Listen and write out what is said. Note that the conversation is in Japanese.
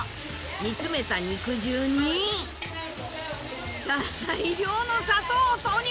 煮詰めた肉汁に大量の砂糖を投入！